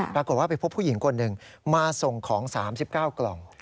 ปรากฏว่าไปพบผู้หญิงคนหนึ่งมาส่งของ๓๙กล่อง